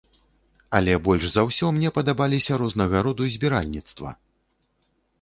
Але больш за ўсё мне падабаліся рознага роду збіральніцтва.